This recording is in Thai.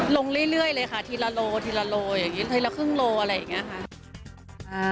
ลงเรื่อยเลยค่ะทีละโลทีละโลอย่างนี้ทีละครึ่งโลอะไรอย่างนี้ค่ะ